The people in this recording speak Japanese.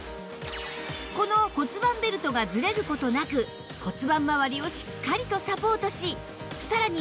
この骨盤ベルトがずれる事なく骨盤まわりをしっかりとサポートしさらに